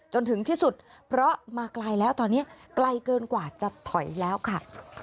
จนถึงที่สุดเพราะมาไกลแล้วตอนนี้ไกลเกินกว่าจะถอยแล้วค่ะ